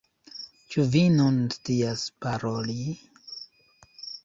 Ĉu vi nun scias paroli?